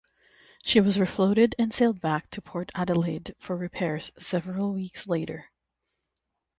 She was refloated and sailed back to Port Adelaide for repairs several weeks later.